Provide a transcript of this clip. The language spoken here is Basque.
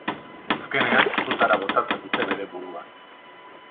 Azkenean, sutara botatzen dute bere burua.